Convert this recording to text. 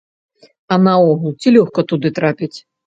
А наогул, ці лёгка туды трапіць?